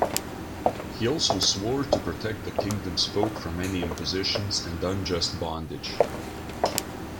He also swore to "protect the Kingdom's folk from any impositions and unjust bondage".